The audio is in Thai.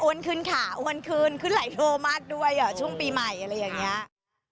ขึ้นค่ะอ้วนขึ้นขึ้นหลายโทรมากด้วยช่วงปีใหม่อะไรอย่างนี้